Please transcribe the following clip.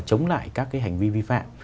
chống lại các cái hành vi vi phạm